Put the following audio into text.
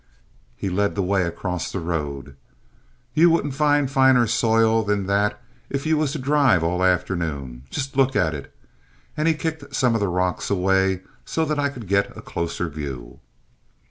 He led the way across the road. "You wouldn't find finer soil than that if you was to drive all afternoon. Just look at it." And he kicked some of the rocks away so that I could get a closer view.